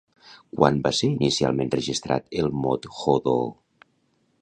Quan va ser inicialment registrat el mot Hoodoo?